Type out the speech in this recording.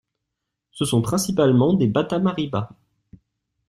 Ce sont principalement des Batammariba.